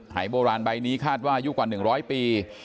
หายโบราณใบนี้คาดว่าอายุกว่าหนึ่งร้อยปี